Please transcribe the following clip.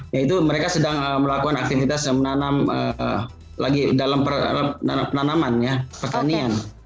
ya itu mereka sedang melakukan aktivitas yang menanam lagi dalam penanaman ya pertanian